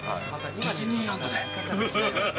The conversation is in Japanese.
ディズニーランドで。